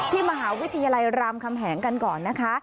ที่มหาวิทยาลัยรามคำแหงกันก่อนนะคะ